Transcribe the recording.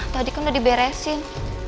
tadi kan udah diberesin